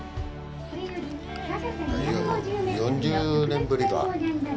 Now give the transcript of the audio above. ４０年ぶりか。